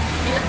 ini enak banget